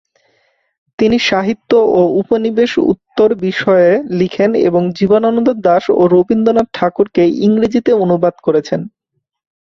তিনি সাহিত্য ও উপনিবেশ-উত্তর বিষয়ে লিখেন এবং জীবনানন্দ দাশ ও রবীন্দ্রনাথ ঠাকুরকে ইংরেজিতে অনুবাদ করেছেন।